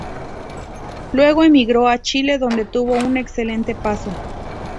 Luego emigró a Chile, donde tuvo un excelente paso.